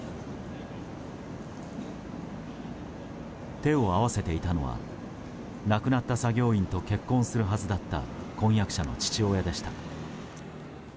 手を合わせていたのは亡くなった作業員と結婚するはずだった婚約者の父親でした。